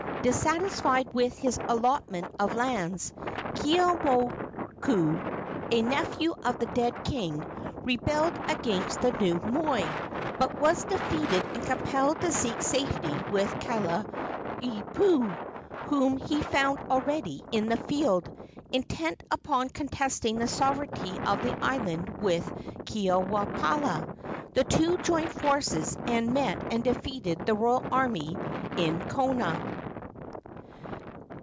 Dissatisfied with his allotment of lands, Keeaumoku, a nephew of the dead king, rebelled against the new moi, but was defeated and compelled to seek safety with Kalaniopuu, whom he found already in the field, intent upon contesting the sovereignty of the island with Keaweopala. The two joined forces, and met and defeated the royal army in Kona.